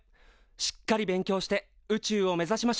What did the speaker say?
しっかり勉強して宇宙を目ざしましょう。